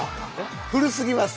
古すぎます。